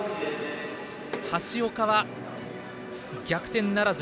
橋岡は逆転ならず。